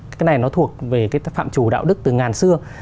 cái này nó thuộc về cái phạm chủ đạo đức từ ngàn xưa